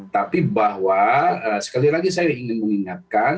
tapi bahwa sekali lagi saya ingin mengingatkan